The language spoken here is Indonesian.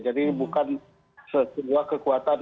jadi bukan sebuah kekuatan